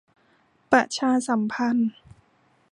ประชาสัมพันธ์